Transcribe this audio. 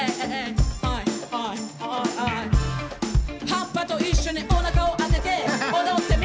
葉っぱと一緒におなかを当てて踊ってみる。